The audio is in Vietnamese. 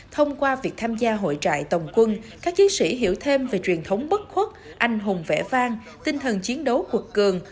thông qua việc tham gia hội trại tổng quân các chiến sĩ hiểu thêm về truyền thống bất khuất anh hùng vẽ vang tinh thần chiến đấu cuột cường